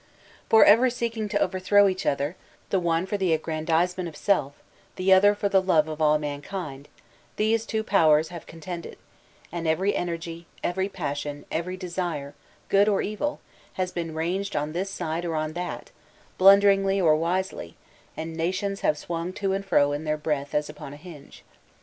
For, ever seeking to overthrow each other, the one for the aggrandizement of self, the other for the love of all mankind, these two powers have contended; and every energy, every passion, every de sire, good or evil, has been ranged on this side or on that, bhmderingly or wisely, and nations have swung to and fro in their breath as upon a hinge.